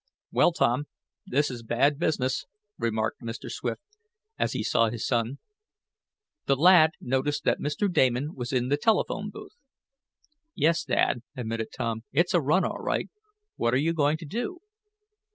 "Well, Tom, this is bad business," remarked Mr. Swift, as he saw his son. The lad noticed that Mr. Damon was in the telephone booth. "Yes, Dad," admitted Tom. "It's a run, all right. What are you going to do?"